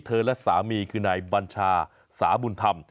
และสามีคือนายบัญชาสาบุญธรรม